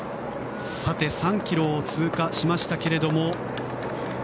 ３ｋｍを通過しましたけれども。